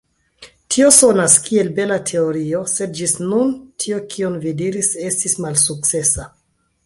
Tio sonas kiel bela teorio, sed ĝis nun tio kion vi diris estis malsukcesa.